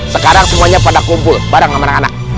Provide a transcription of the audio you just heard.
sekarang semuanya pada kumpul bareng sama anak anak